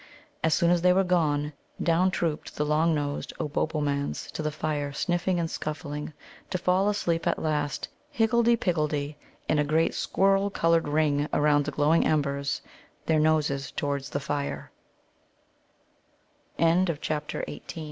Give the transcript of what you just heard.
As soon as they were gone, down trooped the long nosed Obobbomans to the fire, sniffing and scuffling, to fall asleep at last, higgledy piggledy, in a great squirrel coloured ring around the glowing embers, their noses t